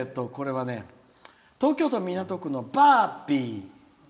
東京都港区のバービー。